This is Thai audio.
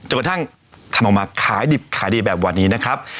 กระทั่งทำออกมาขายดิบขายดีแบบวันนี้นะครับ